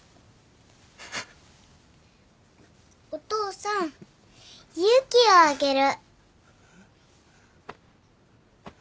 お父さん勇気をあげる